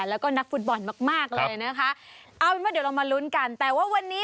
แล้วก็นักฟุตบอลมากมากเลยนะคะเอาเป็นว่าเดี๋ยวเรามาลุ้นกันแต่ว่าวันนี้